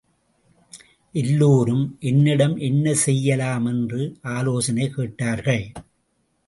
எல்லோரும் என்னிடம் என்ன செய்யலாம் என்று ஆலோசனை கேட்டார்கள்.